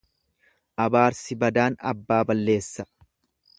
Abaarsi badaan abbaa balleessa.